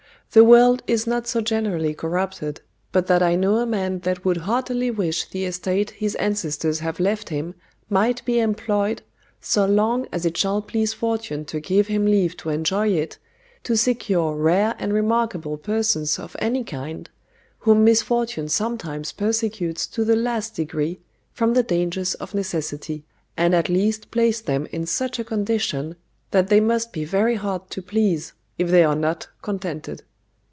The world is not so generally corrupted, but that I know a man that would heartily wish the estate his ancestors have left him might be employed, so long as it shall please fortune to give him leave to enjoy it, to secure rare and remarkable persons of any kind, whom misfortune sometimes persecutes to the last degree, from the dangers of necessity; and at least place them in such a condition that they must be very hard to please, if they are not contented.